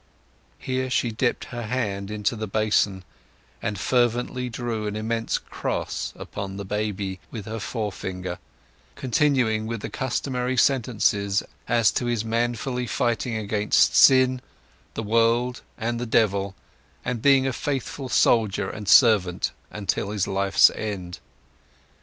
Here she dipped her hand into the basin, and fervently drew an immense cross upon the baby with her forefinger, continuing with the customary sentences as to his manfully fighting against sin, the world, and the devil, and being a faithful soldier and servant unto his life's end.